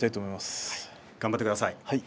頑張ってください。